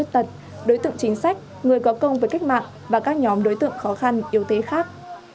tật đối tượng chính sách người có công với cách mạng và các nhóm đối tượng khó khăn yếu thế khác